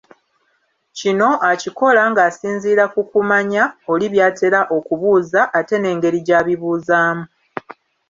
Kino akikola ng'asinziira ku kumanya oli by'atera okubuuza, ate n'engeri gy'abibuuzaamu.